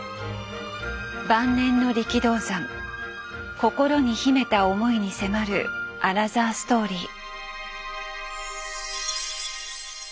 晩年の力道山心に秘めた思いに迫るアナザーストーリー。